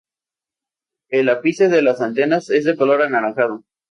El ápice de las antenas es de color anaranjado.